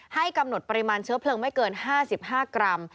ให้กำหนดปริมาณเชื้อเพลิงไม่เกิน๕๕กรัม